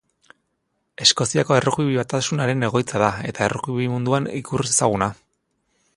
Eskoziako Errugbi Batasunaren egoitza da eta errugbi munduan ikur ezaguna.